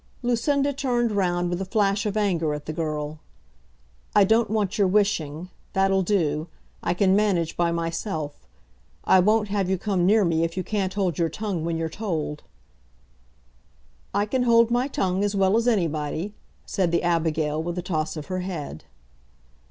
Lucinda turned round with a flash of anger at the girl. "I don't want your wishing. That'll do. I can manage by myself. I won't have you come near me if you can't hold your tongue when you're told." "I can hold my tongue as well as anybody," said the Abigail with a toss of her head.